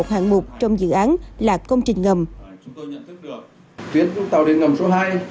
chúng tôi nhận thức được tuyến tàu điện ngầm số hai